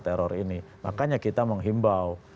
teror ini makanya kita menghimbau